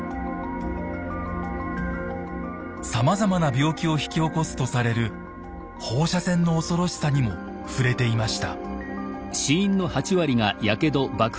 さまざまな病気を引き起こすとされる放射線の恐ろしさにも触れていました。